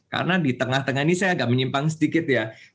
karena di tengah tengah ini saya agak menyimpang sedikit ya